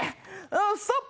ストップ！